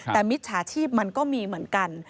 แต่มิจฉาชีพมันก็มีเหมือนกัน